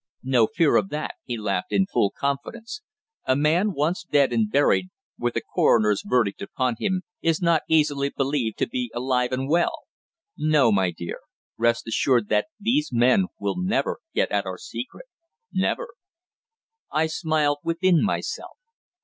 "No fear of that," he laughed in full confidence. "A man once dead and buried, with a coroner's verdict upon him, is not easily believed to be alive and well. No, my dear; rest assured that these men will never get at our secret never." I smiled within myself.